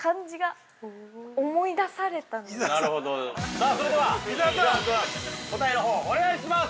さあ、それでは伊沢君、答えのほう、お願いします！